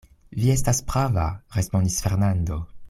Vi estas prava, respondis Fernando!